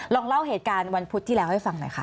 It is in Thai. ลองเล่าเหตุการณ์วันพุธที่แล้วให้ฟังหน่อยค่ะ